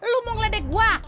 lu mau ngeledek gua